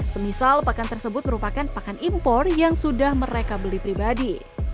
semisal pakan tersebut merupakan pakan impor yang sudah mereka beli pribadi